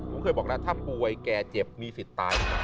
ผมเคยบอกแล้วถ้าป่วยแก่เจ็บมีสิทธิ์ตาย